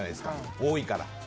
多いから。